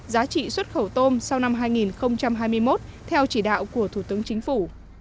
giá trị xuất khẩu tôm sau năm hai nghìn hai mươi một theo chỉ đạo của thủ tướng chính phủ